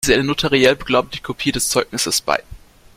Legen Sie eine notariell beglaubigte Kopie des Zeugnisses bei.